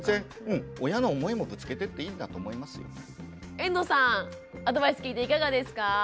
遠藤さんアドバイス聞いていかがですか？